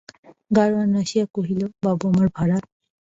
গাড়োয়ান আসিয়া কহিল, বাবু, আমার ভাড়া।